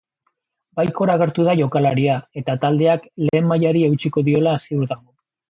Baikor agertu da jokalaria, eta taldeak lehen mailari eutsiko diola ziur dago.